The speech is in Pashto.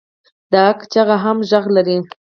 د حق چیغه هم غږ لري